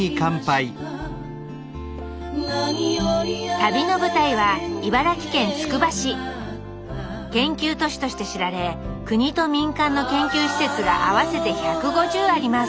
旅の舞台は研究都市として知られ国と民間の研究施設が合わせて１５０あります